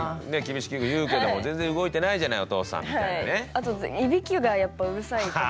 あといびきがやっぱうるさいとか。